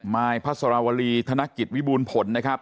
มายพสวธนกิจวิบูลผลนะครับ